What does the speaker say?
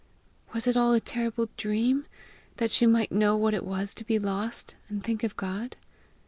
was it all a terrible dream, that she might know what it was to be lost, and think of God?